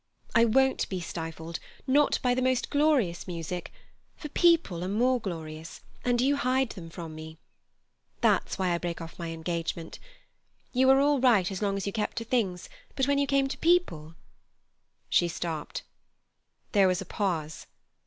I won't be stifled, not by the most glorious music, for people are more glorious, and you hide them from me. That's why I break off my engagement. You were all right as long as you kept to things, but when you came to people—" She stopped. There was a pause.